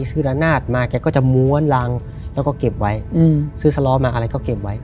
ซื้อละนาดมาแกก็จะม้วนรังแล้วก็เก็บไว้ซื้อสล้อมาอะไรก็เก็บไว้